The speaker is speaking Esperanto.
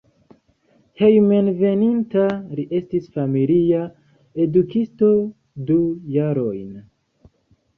Hejmenveninta li estis familia edukisto du jarojn.